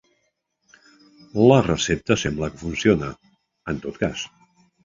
La recepta sembla que funciona, en tot cas.